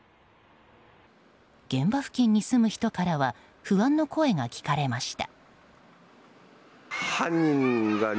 現場付近に住む人からは不安の声が聞かれました。